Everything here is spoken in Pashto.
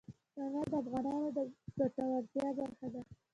تنوع د افغانانو د ګټورتیا برخه ده.